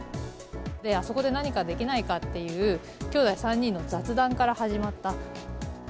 あそこで何かできないかっていう、きょうだい３人の雑談から始まった。